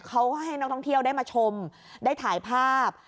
เขาก็ให้นักท่องเที่ยวได้มาชมได้ถ่ายภาพ